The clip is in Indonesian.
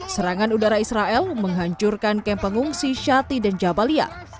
serangan udara israel menghancurkan kamp pengungsi shati dan jabalia